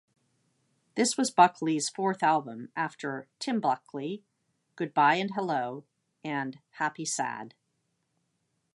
This was Buckley's fourth album after "Tim Buckley", "Goodbye and Hello", and "Happy Sad".